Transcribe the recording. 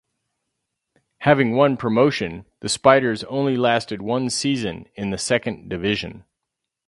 Having won promotion, the Spiders only lasted one season in the Second Division.